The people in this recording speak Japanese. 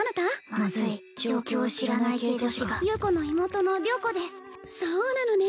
マズい状況を知らない系女子が優子の妹の良子ですそうなのね